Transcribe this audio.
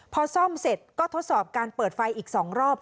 พอซ่อมเสร็จก็ทดสอบการเปิดไฟอีก๒รอบ